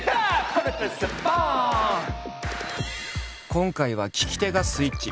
今回は聞き手がスイッチ！